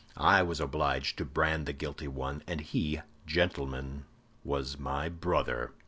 I was obliged to brand the guilty one; and he, gentlemen, was my brother!